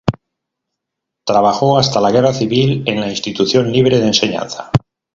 Trabajó hasta la Guerra Civil en la Institución Libre de Enseñanza.